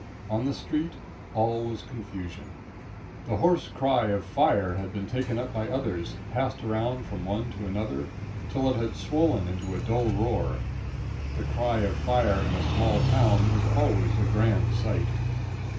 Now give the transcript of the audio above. On the streets all was confusion. The hoarse cry of fire had been taken up by others, passed around from one to another, till it had swollen into a dull roar. The cry of fire in a small town is always a grand sight.